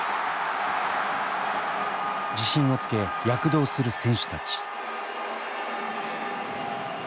自信をつけ躍動する選手たち。